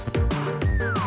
kita mesti ngambek